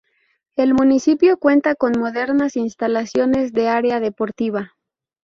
El municipio cuenta con modernas instalaciones de área deportiva.